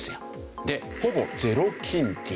でほぼゼロ金利。